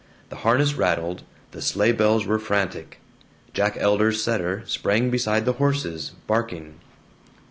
The harness rattled, the sleigh bells were frantic, Jack Elder's setter sprang beside the horses, barking.